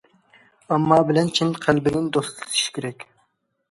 ئامما بىلەن چىن قەلبىدىن دوستلىشىش كېرەك.